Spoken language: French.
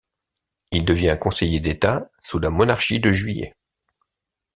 Il devient conseiller d'Etat sous la Monarchie de Juillet.